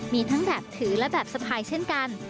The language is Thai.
มีทั้งแบบถือและแบบสะพายเช่นกัน